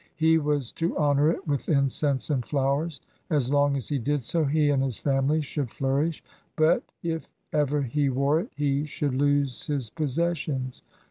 He was to honour it with incense and flowers. As long as he did so, he and his family should flourish, but, if ever he wore it, he should lose his possessions.